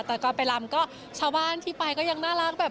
แต่ก็ไปลำก็ชาวบ้านที่ไปก็ยังน่ารักแบบ